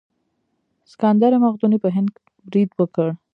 سکندر مقدوني په هند برید وکړ.